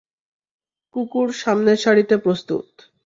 কুকুর সামনের সারিতে প্রস্তুত!